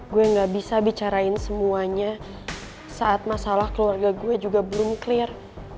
gue gak bisa bicarain semuanya saat masalah keluarga gue juga belum clear